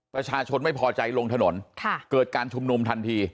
ประชาชนไม่พอใจลงถนนเกิดการชุมนุมทันที